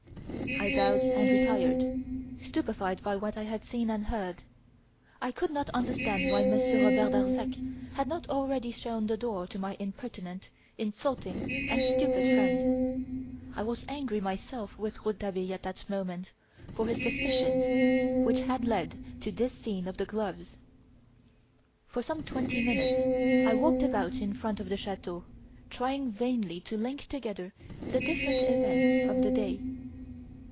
I bowed and retired; stupefied by what I had seen and heard. I could not understand why Monsieur Robert Darzac had not already shown the door to my impertinent, insulting, and stupid friend. I was angry myself with Rouletabille at that moment, for his suspicions, which had led to this scene of the gloves. For some twenty minutes I walked about in front of the chateau, trying vainly to link together the different events of the day.